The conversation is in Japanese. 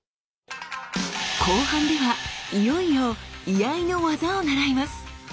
後半ではいよいよ居合の「業」を習います。